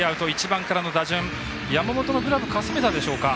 １番からの打順、山本のグラブかすめたでしょうか。